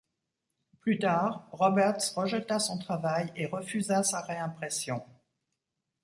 Plus tard, Roberts rejeta son travail et refusa sa réimpression.